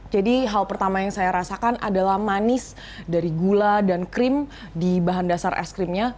jadi hal pertama yang saya rasakan adalah manis dari gula dan krim di bahan dasar es krimnya